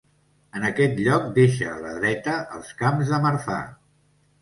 En aquest lloc deixa a la dreta els Camps de Marfà.